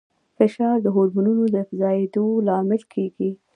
فشار د هورمونونو د افرازېدو لامل کېږي.